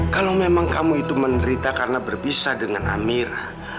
kalau memang kamu itu menderita karena berpisah dengan amir